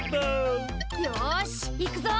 よし行くぞ！